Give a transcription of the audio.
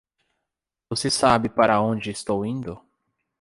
Você sabe para onde estou indo?